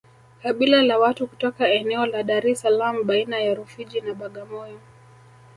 kabila la watu kutoka eneo la Dar es Salaam baina ya Rufiji na Bagamoyo